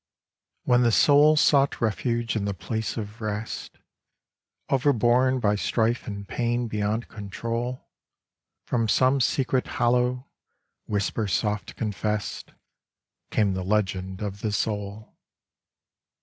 16 WHEN the soul sought refuge in the place of rest, Overborne by strife and pain beyond control, From some secret hollow, whisper soft confessed, Came the legend of the soul.